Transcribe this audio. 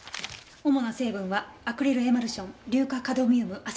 主な成分はアクリルエマルション硫化カドミウムアセトン。